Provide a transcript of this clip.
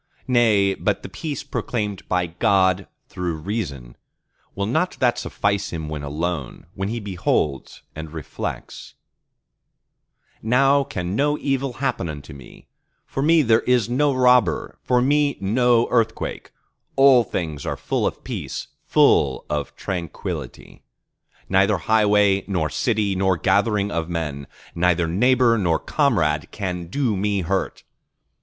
nay, but the peace proclaimed by God through reason, will not that suffice him when alone, when he beholds and reflects:—Now can no evil happen unto me; for me there is no robber, for me no earthquake; all things are full of peace, full of tranquillity; neither highway nor city nor gathering of men, neither neighbor nor comrade can do me hurt.